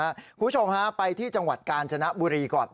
คุณผู้ชมฮะไปที่จังหวัดกาญจนบุรีก่อน